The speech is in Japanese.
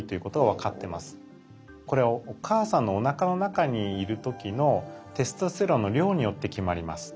これはお母さんのおなかの中にいる時のテストステロンの量によって決まります。